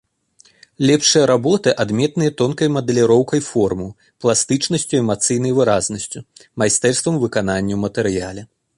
Лепшыя работы адметныя тонкай мадэліроўкай формаў, пластычнасцю і эмацыйнай выразнасцю, майстэрствам выканання ў матэрыяле.